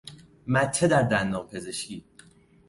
مته در دندان پزشکی